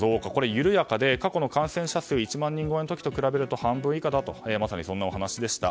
緩やかで過去の感染者数１万人超えの時と比べると半分以下だというお話でした。